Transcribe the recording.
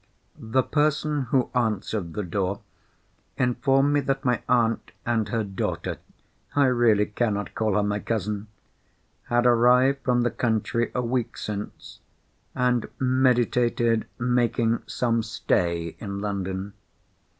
The person who answered the door, informed me that my aunt and her daughter (I really cannot call her my cousin!) had arrived from the country a week since, and meditated making some stay in London.